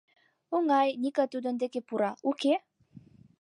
Оҥай, Ника тудын деке пура, уке?